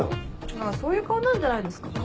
まあそういう顔なんじゃないですか？